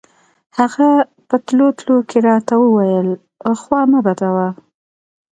هغه په تلو تلو کښې راته وويل خوا مه بدوه.